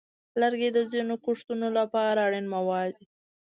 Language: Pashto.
لرګي د ځینو کښتو لپاره اړین مواد دي.